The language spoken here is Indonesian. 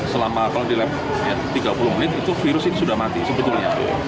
selama kalau di lab tiga puluh menit itu virus ini sudah mati sebetulnya